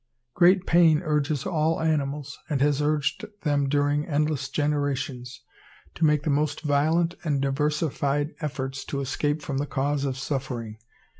Great pain urges all animals, and has urged them during endless generations, to make the most violent and diversified efforts to escape from the cause of suffering.